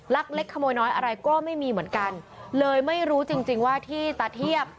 เล็กขโมยน้อยอะไรก็ไม่มีเหมือนกันเลยไม่รู้จริงจริงว่าที่ตาเทียบ